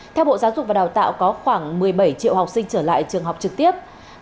theo bộ giáo dục và đào tạo có khoảng một mươi bảy triệu học sinh trở lại trường học trực tiếp